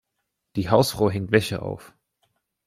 Die Hausfrau hängt Wäsche auf.